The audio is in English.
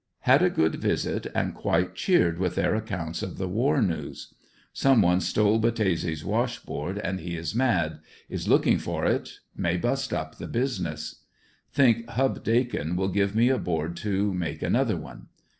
Had a good visit and quite cheered with their accounts of the w^ar news. Some one stole Battese's wash board and he is mad ; is looking for it — may bust up the business. Think Hub Dakin will give me a board to make another one.